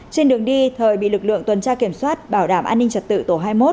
trên đường đi thời bị lực lượng tuần tra kiểm soát bảo đảm an ninh trật tự tổ hai mươi một